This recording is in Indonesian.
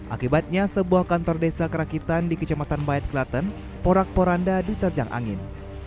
akibatnya sebuah kantor desa kerakitan di kecamatan bayat klaten porak poranda diterjang angin